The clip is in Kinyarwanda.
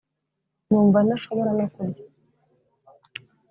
numva ntashobora no kurya